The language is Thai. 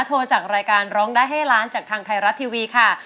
โทรจากรายการร้องได้ให้ล้านจากทางไทยรัฐทีวีค่ะ